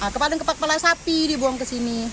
kepala kepala sapi dibuang ke sini